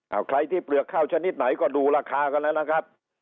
เอาใครที่เปลือกข้าวชนิดไหนก็ดูราคากันแล้วนะครับ